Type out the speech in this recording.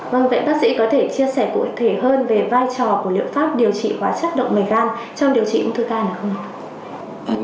vâng vậy bác sĩ có thể chia sẻ cụ thể hơn về vai trò của liệu pháp điều trị hóa chất động mạch gan trong điều trị ung thư gan này không ạ